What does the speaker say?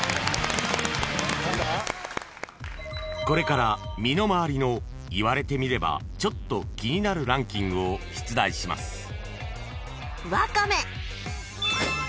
［これから身の回りの言われてみればちょっと気になるランキングを出題します］